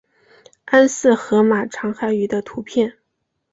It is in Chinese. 安氏河马长颌鱼的图片